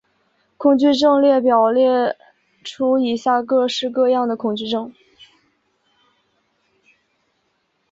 恐惧症列表列出以下各式各样的恐惧症。